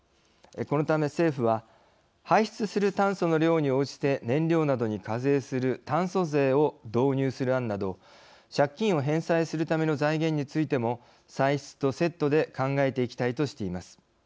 このため、政府は排出する炭素の量に応じて燃料などに課税する炭素税を導入する案など借金を返済するための財源についても歳出とセットで考えていきたいとしています。